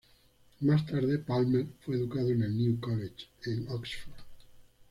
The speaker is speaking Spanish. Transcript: Más tarde, Palmer fue educado en el New College, en Oxford.